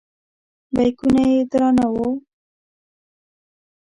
بیکونه یې درانه وو.